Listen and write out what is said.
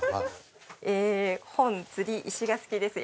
ええ本・釣り・石が好きです。